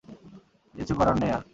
কিচ্ছু করার নেই আর!